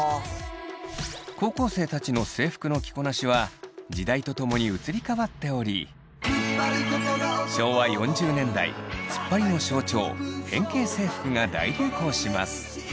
高校生たちの制服の着こなしは時代とともに移り変わっており昭和４０年代ツッパリの象徴変形制服が大流行します。